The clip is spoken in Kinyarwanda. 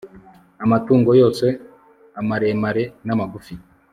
amatungo yose, amaremare n'amagufi